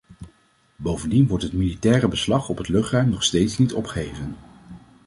Bovendien wordt het militaire beslag op het luchtruim nog steeds niet opgeheven.